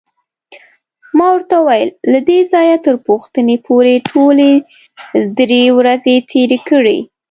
ما ورته وویل: له دې ځایه تر پوښتنې پورې ټولې درې ورځې تېرې کړې.